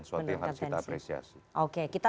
sesuatu yang harus kita apresiasi oke kita